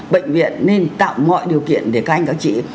bệnh viện nên tạo mọi điều kiện để các anh các chị